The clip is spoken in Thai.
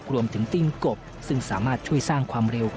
ติ้งกบซึ่งสามารถช่วยสร้างความเร็ว